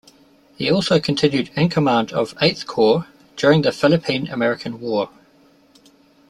He also continued in command of Eighth Corps during the Philippine-American War.